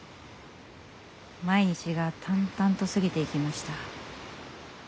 毎日が淡々と過ぎていきました。